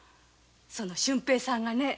その俊平さんがね